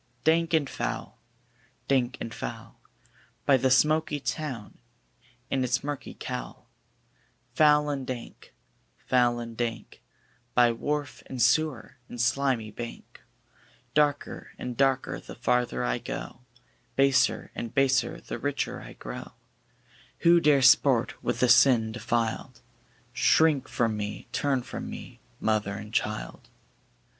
Dank and foul, dank and foul, By the smoky town in its murky cowl; Foul and dank, foul and dank, By wharf and sewer and slimy bank; Darker and darker the farther I go, Baser and baser the richer I grow; Who dare sport with the sin defiled? Shrink from me, turn from me, mother and child.